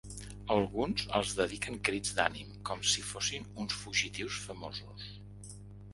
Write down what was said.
Alguns els dediquen crits d'ànim, com si fossin uns fugitius famosos.